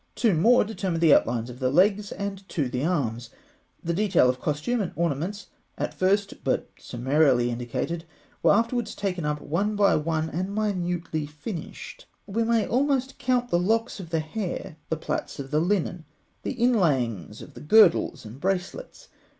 Two more determined the outlines of the legs, and two the arms. The details of costume and ornaments, at first but summarily indicated, were afterwards taken up one by one, and minutely finished. We may almost count the locks of the hair, the plaits of the linen, the inlayings of the girdles and bracelets.